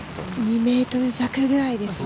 ２ｍ弱ぐらいですね。